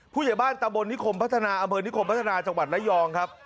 ผู้ใหญ่บ้านตะบนนิคมพัฒนาอำเภอนิคมพัฒนาจังหวัดระยองครับ